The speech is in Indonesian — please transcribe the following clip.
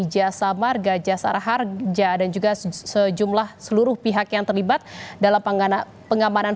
jasa marga jasara harja dan juga sejumlah seluruh pihak yang terlibat dalam pengamanan